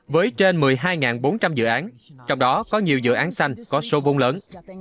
với trên một mươi hai bốn trăm linh dự án trong đó có nhiều dự án xanh có số vốn lớn